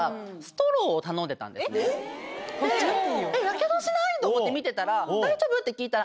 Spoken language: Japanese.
ヤケドしない？と思って見てたら。